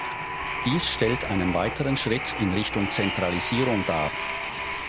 Dies stellt einen weiteren Schritt in Richtung Zentralisierung dar.